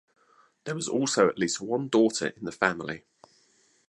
There was also at least one daughter in the family.